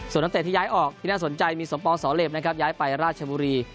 ส่วนนักเตะที่ย้ายออกที่น่าสนใจมีสมปองสอเหลมนะครับย้ายไปราชบุรี